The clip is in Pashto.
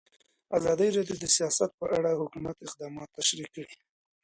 ازادي راډیو د سیاست په اړه د حکومت اقدامات تشریح کړي.